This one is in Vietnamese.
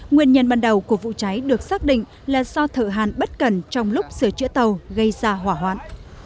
nguyên nhân ban đầu của vụ cháy được xác định là do thợ hàn bất cần trong lúc sửa chữa tàu gây ra hỏa hoạn